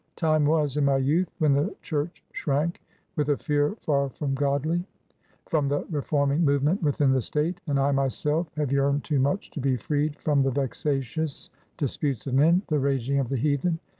Time was — in my youth — when the church shrank — ^with a fear far from godly— from the reforming movement within the State ; and I myself have yearned too much to be freed from the vexatious disputes of men, the raging of the heathen.